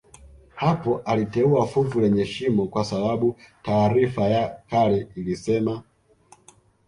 Hapo aliteua fuvu lenye shimo kwa sababu taarifa ya kale ilisema